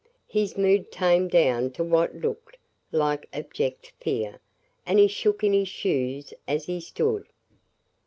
His mood tamed down to what looked like abject fear, and he shook in his shoes as he stood.